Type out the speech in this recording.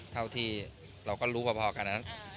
เท่าที่เราก็รู้พอกันนะ